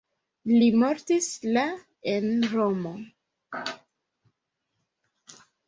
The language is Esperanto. Li mortis la en Romo.